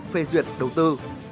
phê duyệt đầu tư